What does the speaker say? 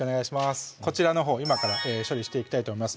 こちらのほう今から処理していきたいと思います